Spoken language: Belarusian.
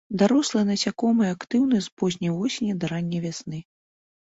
Дарослыя насякомыя актыўныя з позняй восені да ранняй вясны.